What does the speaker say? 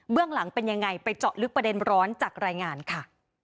เรื่องหลังเป็นยังไงไปเจาะลึกประเด็นร้อนจากรายงานค่ะ